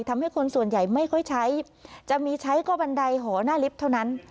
ทำให้คนส่วนใหญ่ไม่ค่อยใช้จะมีใช้ก็บันไดหอหน้าลิฟต์เท่านั้น